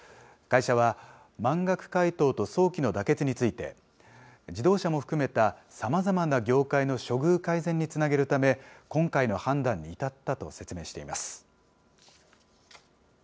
会社は、満額回答と早期の妥結について、自動車も含めたさまざまな業界の処遇改善につなげるため、今回の判断に至ったと説明しています。